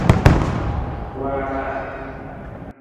Waara.